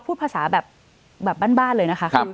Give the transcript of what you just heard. พูดภาษาแบบบ้านเลยนะคะ